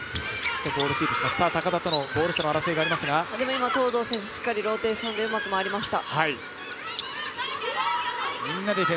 今、東藤選手しっかりローテーションでうまく回りました。